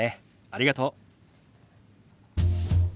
ありがとう。